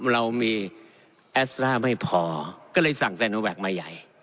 เรามีไม่พอก็เลยสั่งไซโนแวกมาใหญ่